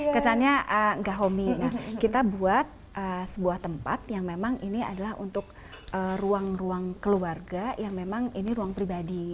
kesannya gak homi kita buat sebuah tempat yang memang ini adalah untuk ruang ruang keluarga yang memang ini ruang pribadi